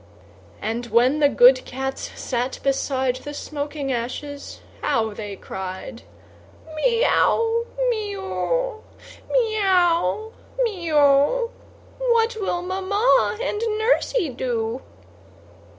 And when the good cats sat beside The smoking ashes, how they cried! "Me ow, me oo, me ow, me oo, What will Mamma and Nursey do?"